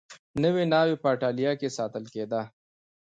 نوې ناوې په اېټالیا کې ساتل کېده.